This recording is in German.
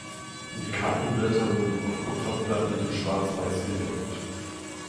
Die Kartenblätter wurden auf Kupferplatten in Schwarzweiß gedruckt.